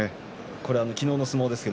これは昨日の相撲です。